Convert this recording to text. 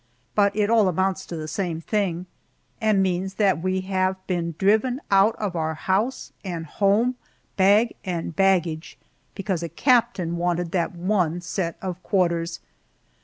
But it all amounts to the same thing, and means that we have been driven out of our house and home, bag and baggage, because a captain wanted that one set of quarters!